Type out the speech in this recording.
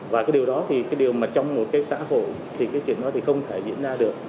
và cái điều đó thì cái điều mà trong một cái xã hội thì cái chuyện đó thì không thể diễn ra được